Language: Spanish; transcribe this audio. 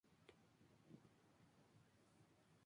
Vive profundamente lo que enseña.